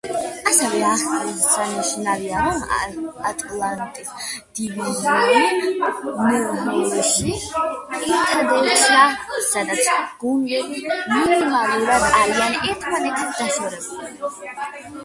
ასევე აღსანიშნავია, რომ ატლანტის დივიზიონი ნჰლ-ში ერთადერთია, სადაც გუნდები მინიმალურად არიან ერთმანეთს დაშორებულები.